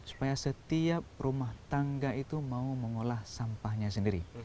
supaya setiap rumah tangga itu mau mengolah sampahnya sendiri